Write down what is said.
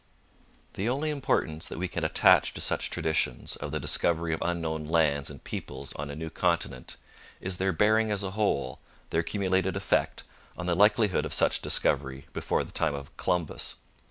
The only importance that we can attach to such traditions of the discovery of unknown lands and peoples on a new continent is their bearing as a whole, their accumulated effect, on the likelihood of such discovery before the time of Columbus.